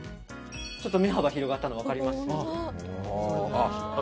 ちょっと目幅広がったの分かります？